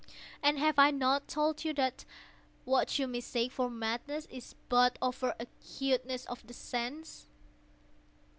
And have I not told you that what you mistake for madness is but over acuteness of the sense?